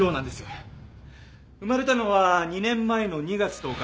生まれたのは２年前の２月１０日。